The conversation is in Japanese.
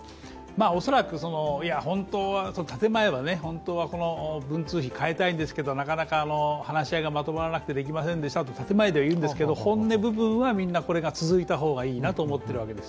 恐らく、本当はこの文通費、変えたいんですけど、なかなか話し合いがまとまらなくてできませんでしたと建前では言うんですけど本音部分はみんなこれが続いた方がいいなと思っているわけです。